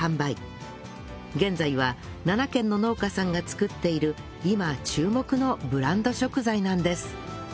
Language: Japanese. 現在は７軒の農家さんが作っている今注目のブランド食材なんです